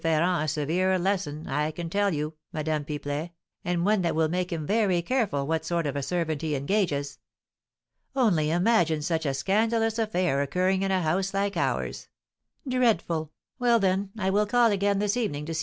Ferrand a severe lesson, I can tell you, Madame Pipelet, and one that will make him very careful what sort of a servant he engages. Only imagine such a scandalous affair occurring in a house like ours! Dreadful! Well, then, I will call again this evening to see M.